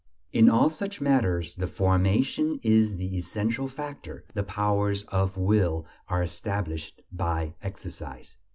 In all such matters the "formation" is the essential factor; the powers of will are established by exercise.